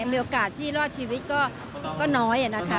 มีโอกาสที่รอดชีวิตก็น้อยนะคะ